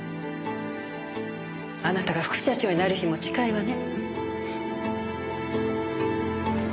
あなたが副社長になる日も近いわね。